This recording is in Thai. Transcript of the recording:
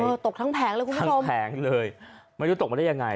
ตกทั้งแผงเลยคุณผู้ชมแผงเลยไม่รู้ตกมาได้ยังไง